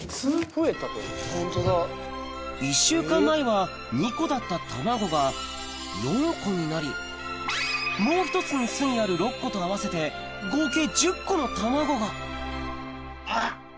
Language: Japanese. １週間前は２個だった卵が４個になりもう１つの巣にある６個と合わせてあっ！